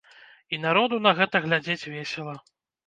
І народу на гэта глядзець весела.